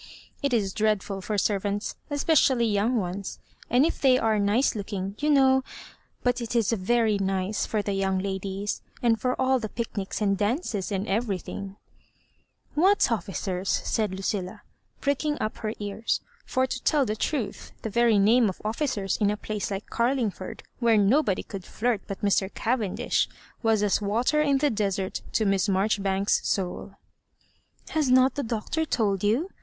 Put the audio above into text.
It is dreadful for servants — especially young ones, and if they are nice Digitized by VjOOQIC loss MABJOBIBANKa 89 looking, yott know; but it is very nice for the young ladies, and for all the picnics and dances and everything——" " What officers ?" said Lucilla, pricking up her ear9 *for to tell the tmth, the very name of offi cers in a place like Garlingford, where nobody could flirt but Mr. Cavendish, was as wa^r in the desert to Miss Marjbribanks's soul. " Has hot the Doctor told you